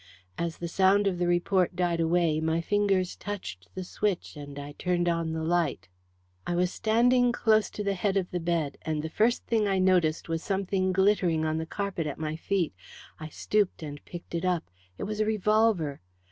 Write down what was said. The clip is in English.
As the sound of the report died away, my fingers touched the switch and I turned on the light. "I was standing close to the head of the bed, and the first thing I noticed was something glittering on the carpet at my feet. I stooped and picked it up. It was a revolver.